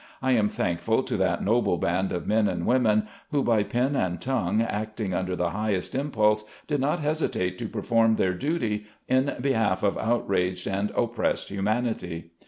I am thankful to that noble band of men and women who, by pen and tongue acting under the highest impulse, did not hesitate to perform their duty in behalf of outraged and oppressed humanity.